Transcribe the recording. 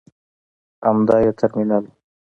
همدا یې ترمینل و.